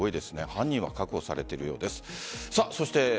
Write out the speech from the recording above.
犯人は確保されているようです。